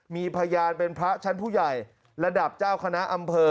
มีพยานเป็นพระชั้นผู้ใหญ่ระดับเจ้าคณะอำเภอ